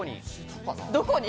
どこに？